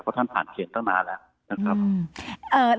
เพราะท่านผ่านเกณฑ์ตั้งนานแล้วนะครับ